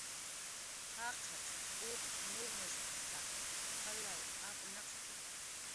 "Jaqiq ut nurnushp""tak qalw apnaq""ki "